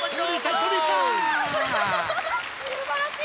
すばらしい。